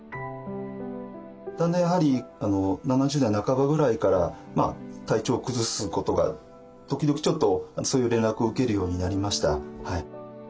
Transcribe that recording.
だんだんやはり７０代半ばぐらいから体調を崩すことが時々ちょっとそういう連絡を受けるようになりました。